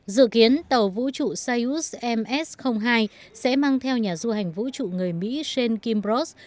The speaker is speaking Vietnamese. dự kiến tàu vũ trụ siamut ms hai sẽ mang theo nhà du hành vũ trụ người mỹ shane kimbross